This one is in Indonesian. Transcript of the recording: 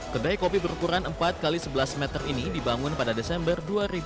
kedai kopi berukuran empat x sebelas meter ini dibangun pada desember dua ribu dua puluh